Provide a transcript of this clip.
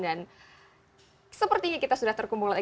dan sepertinya kita sudah terkumpul lagi